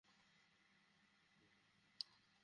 সবকিছু পরিষ্কার করে লেখাই রয়েছে!